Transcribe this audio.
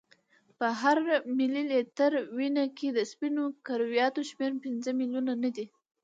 په هر ملي لیتر وینه کې د سپینو کرویاتو شمیر پنځه میلیونه نه دی.